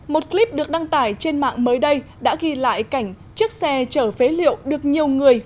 một clip được đăng tải trên mạng mới đây đã ghi lại cảnh chiếc xe chở phế liệu được nhiều người